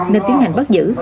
nên tiến hành bắt giữ